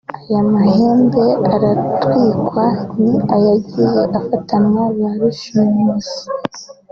Aya mahembe aratwikwa ni ayagiye afatanwa ba rushimusi